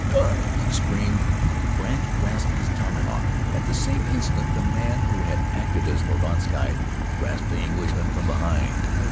"Die!" he screamed. Brandt grasped his tomahawk. At the same instant the man who had acted as Mordaunt's guide grasped the Englishman from behind.